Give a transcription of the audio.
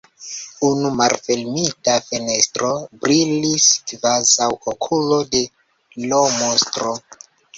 Unu malfermita fenestro brilis kvazaŭ okulo de l' monstro.